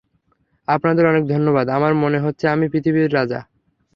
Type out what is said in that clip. আপনাদের অনেক ধন্যবাদ, আমার মনে হচ্ছে আমিই পৃথিবীর রাজা।